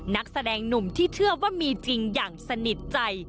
นักแสดงหนุ่มที่เชื่อว่ามีจริงอย่างสนิทใจ